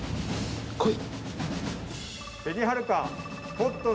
こい！